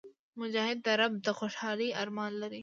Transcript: مجاهد د رب د خوشحالۍ ارمان لري.